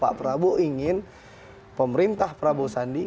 pak prabowo ingin pemerintah prabowo sandi